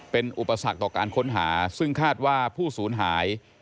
เป็นอุปสรรคต่อการค้นหาซึ่งคาดว่าผู้สูญหาย